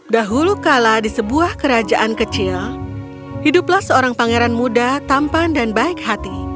dahulu kala di sebuah kerajaan kecil hiduplah seorang pangeran muda tampan dan baik hati